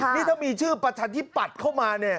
นี่ถ้ามีชื่อประชานิปัตธ์เข้ามา